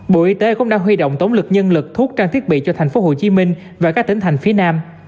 bộ y tế cũng đang huy động tống lực nhân lực thuốc trang thiết bị cho tp hcm và các tỉnh thành phía nam